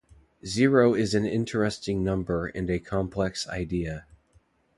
Zero is an interesting number, and a complex idea.